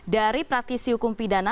dari praktisi hukum pidana